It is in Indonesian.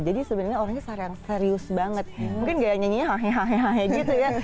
jadi sebenarnya orangnya serius banget mungkin gaya nyanyinya hahe hahe gitu ya